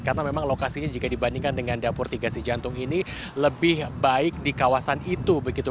karena memang lokasinya jika dibandingkan dengan dapur tiga si jantung ini lebih baik di kawasan itu